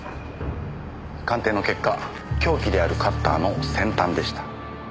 鑑定の結果凶器であるカッターの先端でした。